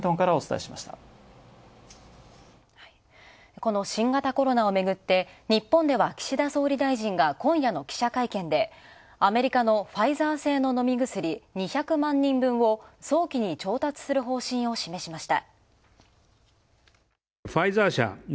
この新型コロナをめぐって日本では岸田総理が、今夜の記者会見で、アメリカのファイザー製の飲み薬、２００万人分を早期に調達する方針を示しました。